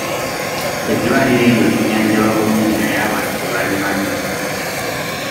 Eddwaliro eryo lijjanjaba bulungi naye abantu tebalimanyi.